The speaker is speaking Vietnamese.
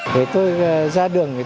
để tôi ra đường tôi thấy vui vui vui vui